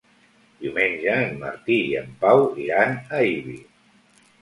Diumenge en Martí i en Pau iran a Ibi.